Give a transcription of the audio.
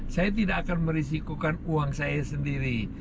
saya tidak akan merisikokan uang saya sendiri